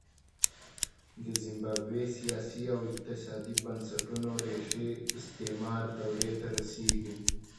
د زیمبابوې سیاسي او اقتصادي بنسټونو ریښې استعمار دورې ته رسېږي.